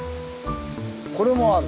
これもある。